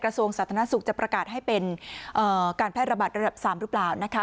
ส่วนสาธารณสุขจะประกาศให้เป็นการแพร่ระบาดระดับ๓หรือเปล่านะคะ